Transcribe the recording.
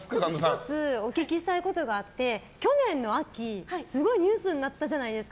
１つお聞きしたいことがあって去年の秋すごいニュースになったじゃないですか。